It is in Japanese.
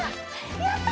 やった！